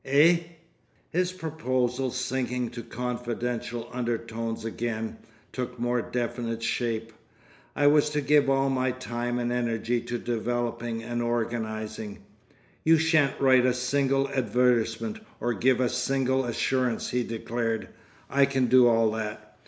"Eh?" His proposal, sinking to confidential undertones again, took more definite shape. I was to give all my time and energy to developing and organising. "You shan't write a single advertisement, or give a single assurance" he declared. "I can do all that."